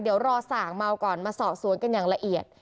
เดี๋ยวรอสั่งเมาก่อนมาสอบสวนกันอย่างละเอียด